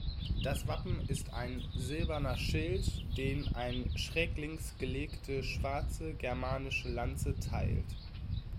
Das Wappen ist ein silberner Schild, den eine schräglinks gelegte schwarze germanische Lanze teilt.